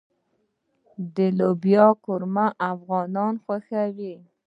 د لوبیا قورمه افغانان خوښوي.